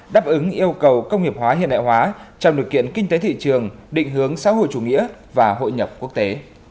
đáp ứng yêu cầu công nghiệp hóa hiện đại hóa trong điều kiện kinh tế thị trường định hướng xã hội chủ nghĩa và hội nhập quốc tế